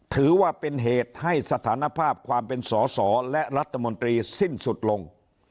ถือว่าเป็นเหตุให้สถานภาพความเป็นสอสอและรัฐมนตรีสิ้นสุดลง